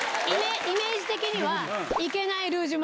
イメージ的には。